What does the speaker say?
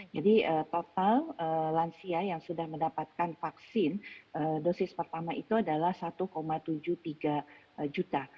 jadi total lansia yang sudah mendapatkan vaksin dosis pertama itu adalah satu tujuh puluh tiga juta